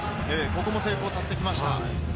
ここも成功させました。